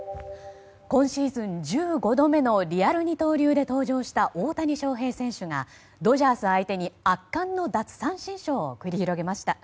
今シーズン１５度目のリアル二刀流で登場した大谷翔平選手がドジャース相手に圧巻の奪三振ショーを繰り広げました。